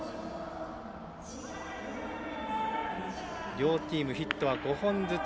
両チームヒットは５本ずつ。